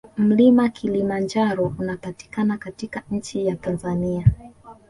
Mlima kulimanjaro unapatikana katika nchi ya Tanzania